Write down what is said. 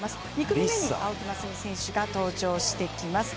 ２組目に青木益未選手が登場してきます。